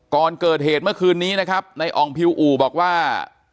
ก่อนเกิดเหตุเมื่อคืนนี้นะครับในอองพิวอู่บอกว่า